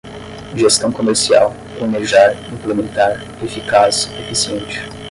gestão comercial, planejar, implementar, eficaz, eficiente